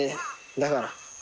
だから。